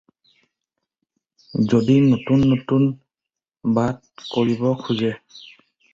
যদি নতুন নতুন বাট কৰিব খােজে